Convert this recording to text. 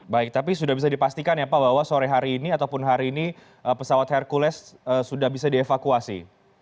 baik tapi sudah bisa dipastikan ya pak bahwa sore hari ini ataupun hari ini pesawat hercules sudah bisa dievakuasi